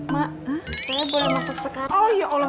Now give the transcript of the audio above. mak saya boleh masuk sekarang